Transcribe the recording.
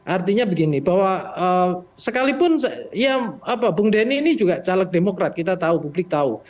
artinya begini bahwa sekalipun ya apa bung denny ini juga caleg demokrat kita tahu publik tahu